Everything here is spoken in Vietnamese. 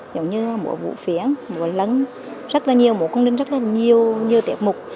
giống như mùa vũ phiến mùa lần mùa cung đình rất là nhiều tiệc mục